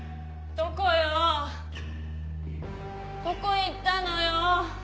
どこ行ったのよ。